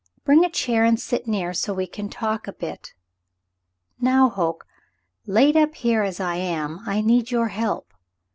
Bring a chair and sit near, so we can talk a bit. Now, Hoke, laid up here as I am, I need your help.